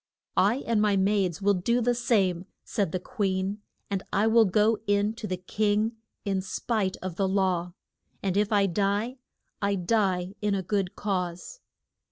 I and my maids will do the same, said the queen, and I will go in to the king in spite of the law; and if I die, I die in a good cause.